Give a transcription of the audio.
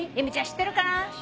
知ってるかな？